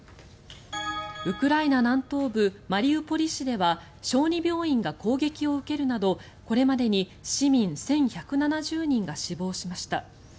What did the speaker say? ウクライナ南東部マリウポリ市では小児病院が攻撃を受けるなどこれまでに市民１１７０人が死亡しました。